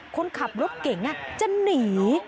คนขับรถเก่งจะหนี